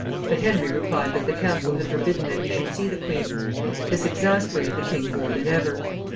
But Henry replied that the council had forbidden that he should see the queen. This exasperated the king more than ever.